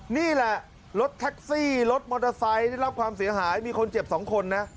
นี่แหละรถแท็กซี่รถมอเตอร์ไซค์ได้รับความเสียหายมีคนเจ็บ๒คนนะ